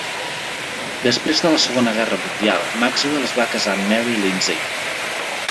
Després de la Segona Guerra Mundial, Maxwell es va casar amb Mary Lindsay.